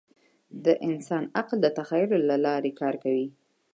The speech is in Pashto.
د انسان عقل د تخیل له لارې کار کوي.